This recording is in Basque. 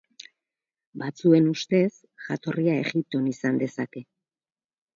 Batzuen ustez, jatorria Egipton izan dezake.